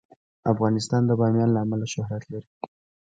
افغانستان د بامیان له امله شهرت لري.